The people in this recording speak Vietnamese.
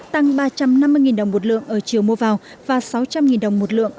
tăng ba trăm năm mươi đồng một lượng ở chiều mua vào và sáu trăm linh đồng một lượng